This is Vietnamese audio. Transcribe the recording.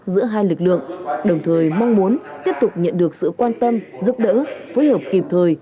giữa hai lực lượng đồng thời mong muốn tiếp tục nhận được sự quan tâm giúp đỡ phối hợp kịp thời